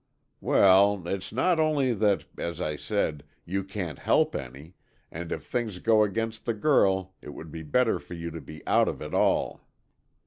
"Well, it's only that, as I said, you can't help any, and if things go against the girl, it would be better for you to be out of it all."